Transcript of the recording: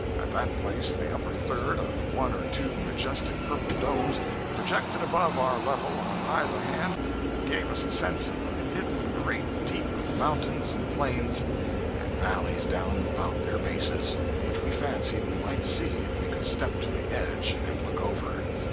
At that place the upper third of one or two majestic purple domes projected above our level on either hand and gave us a sense of a hidden great deep of mountains and plains and valleys down about their bases which we fancied we might see if we could step to the edge and look over.